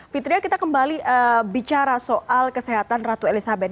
fitria kita kembali bicara soal kesehatan ratu elizabeth